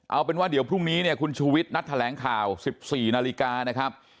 เอาเป็นว่าเดี๋ยวพรุ่งนี้เนี่ยคุณชูวิทย์นัดแถลงข่าว๑๔นาฬิกานะครับ